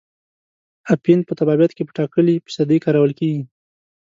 اپین په طبابت کې په ټاکلې فیصدۍ کارول کیږي.